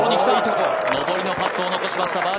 上りのパットを残しました